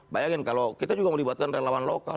bayangin kalau kita juga mau dibuatkan relawan lokal